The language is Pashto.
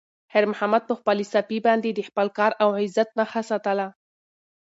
خیر محمد په خپلې صافې باندې د خپل کار او عزت نښه ساتله.